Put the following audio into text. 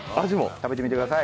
食べてみてください。